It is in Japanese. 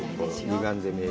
ゆがんで見える。